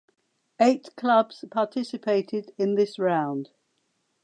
Eight clubs participated in this round.